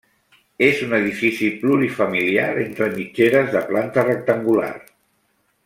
És un edifici plurifamiliar entre mitgeres de planta rectangular.